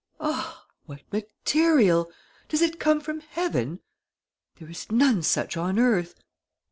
'Ah! what material! Does it come from heaven? There is none such on earth.